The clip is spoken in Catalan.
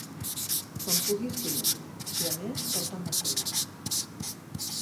Quan puguis vine i, a més, porta el martell.